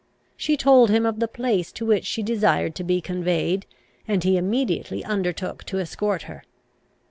She told him of the place to which she desired to be conveyed, and he immediately undertook to escort her.